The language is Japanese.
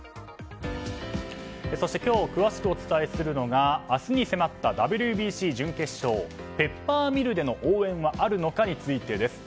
そして今日詳しくお伝えするのが明日に迫ったＷＢＣ準決勝ペッパーミルでの応援はあるのかについてです。